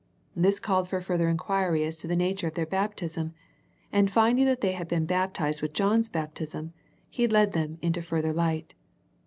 This called for further enquiry as to the nature of their baptism, and then finding that they had been baptized with John's baptism, he led them into further light.